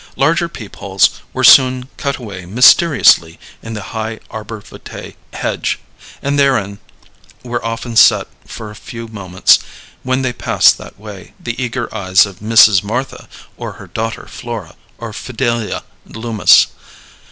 Larger peep holes were soon cut away mysteriously in the high arbor vitae hedge, and therein were often set for a few moments, when they passed that way, the eager eyes of Mrs. Martha or her daughter Flora or Fidelia Loomis.